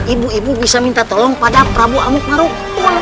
ibu ibu bisa minta tolong pada prabu amuk maruf